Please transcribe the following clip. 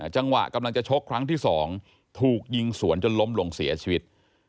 จังหวะกำลังจะชกครั้งที่๒ถูกยิงสวนจนล้มลงเสียชีวิต